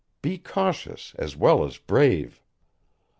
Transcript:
Be cautious as well as brave."